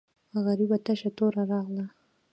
غریبه تشه توره راغله.